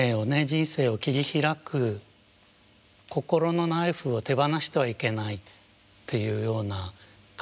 人生を切り開く心のナイフを手放してはいけないっていうような感覚があるのかな。